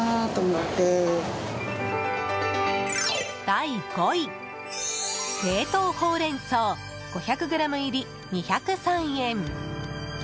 第５位、冷凍ほうれん草５００ｇ入り２０３円。